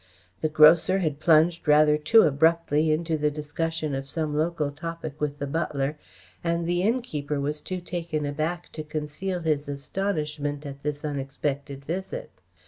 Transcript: The grocer had plunged rather too abruptly into the discussion of some local topic with the butler, and the innkeeper was too taken aback to conceal his astonishment at this unexpected visit.